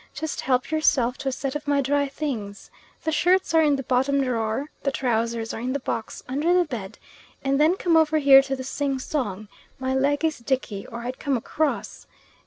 Just help yourself to a set of my dry things. The shirts are in the bottom drawer, the trousers are in the box under the bed, and then come over here to the sing song. My leg is dickey or I'd come across.